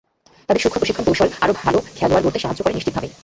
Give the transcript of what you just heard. তাদের সূক্ষ্ম প্রশিক্ষণ কৌশল আরও ভালো খেলোয়াড় গড়তে সাহায্য করে নিশ্চিতভাবেই।